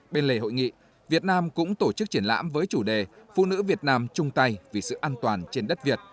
bên lề hội nghị việt nam cũng tổ chức triển lãm với chủ đề phụ nữ việt nam chung tay vì sự an toàn trên đất việt